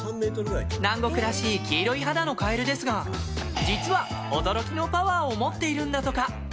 南国らしい黄色い肌のカエルですが実は驚きのパワーを持っているんだとか。